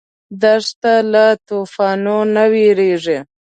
دښته له توفانه نه وېرېږي.